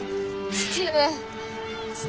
父上！